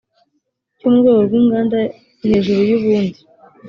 cyo mu rwego rw inganda hejuru y ubundi